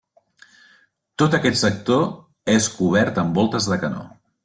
Tot aquest sector és cobert amb voltes de canó.